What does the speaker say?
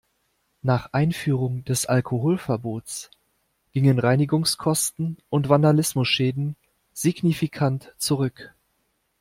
Nach der Einführung des Alkoholverbots gingen Reinigungskosten und Vandalismusschäden signifikant zurück.